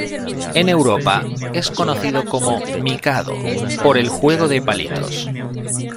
En Europa, es conocido como "Mikado", por el juego de palitos.